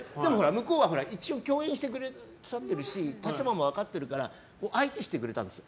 向こうは一応共演してくださってるし立場も分かってるから相手してくれたんです。